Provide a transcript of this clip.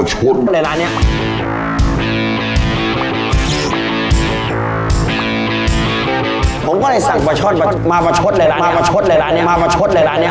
ผมก็เลยสั่งปลาชอดมาประชชดเท่าไกร